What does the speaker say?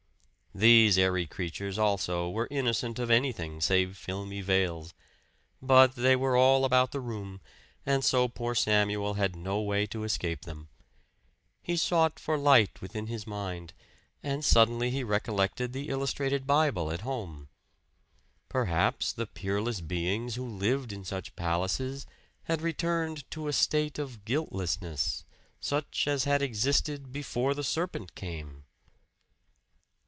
These airy creatures, also, were innocent of anything save filmy veils; but they were all about the room, and so poor Samuel had no way to escape them. He sought for light within his mind; and suddenly he recollected the illustrated Bible at home. Perhaps the peerless beings who lived in such palaces had returned to a state of guiltlessness, such as had existed before the serpent came.